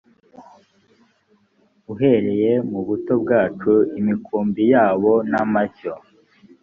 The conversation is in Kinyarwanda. uhereye mu buto bwacu imikumbi yabo n amashyo